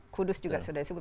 kudus juga sudah disebut